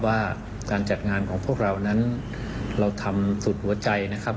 ว่าการจัดงานของพวกเรานั้นเราทำสุดหัวใจนะครับ